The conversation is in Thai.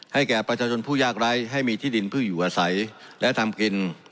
แก่ประชาชนผู้ยากไร้ให้มีที่ดินเพื่ออยู่อาศัยและทำกิน